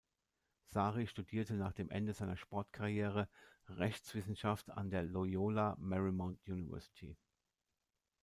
Saari studierte nach dem Ende seiner Sportkarriere Rechtswissenschaften an der Loyola Marymount University.